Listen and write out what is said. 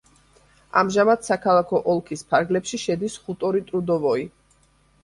ამჟამად საქალაქო ოლქის ფარგლებში შედის ხუტორი ტრუდოვოი.